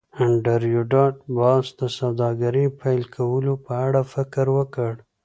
انډریو ډاټ باس د سوداګرۍ پیل کولو په اړه فکر وکړ